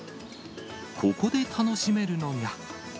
ここで楽しめるのが。